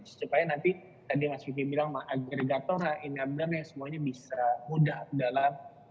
supaya nanti tadi mas vicky bilang agregatornya inabernya semuanya bisa mudah dalam